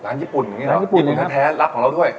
ร้านญี่ปุ่นเหรอญี่ปุ่นแท้รับของเราด้วย